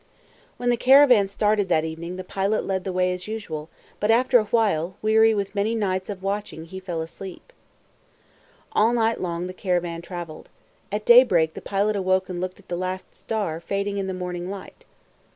When the caravan started that evening, the pilot led the way as usual, but after a while, weary with many nights of watching, he fell asleep. All night long the caravan traveled. At daybreak the pilot awoke and looked at the last star, fading in the morning light.